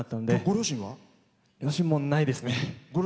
両親もないですね。